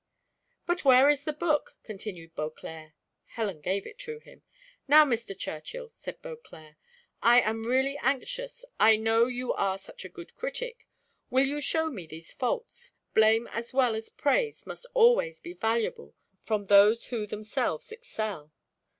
"But where is the book?" continued Beauclerc. Helen gave it to him. "Now, Mr. Churchill," said Beauclerc; "I am really anxious, I know you are such a good critic, will you show me these faults? blame as well as praise must always be valuable from those who themselves excel."